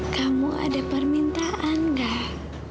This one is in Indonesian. kamu ada permintaan gak